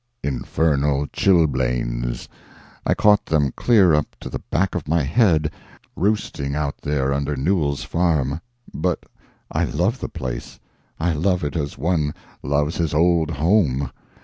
"Infernal chilblains I caught them clear up to the back of my head, roosting out there under Newell's farm. But I love the place; I love it as one loves his old home.